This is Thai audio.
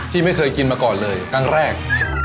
ไม่เคยกินมาก่อนเลยครั้งแรก